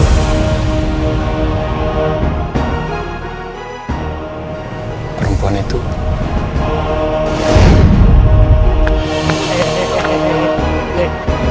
sampai jumpa di video selanjutnya